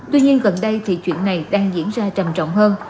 tuy nhiên gần đây thì chuyện này đang diễn ra trầm trọng hơn